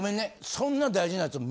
そんな大事なやつ。